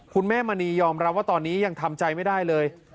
แม่มณียอมรับว่าตอนนี้ยังทำใจไม่ได้เลย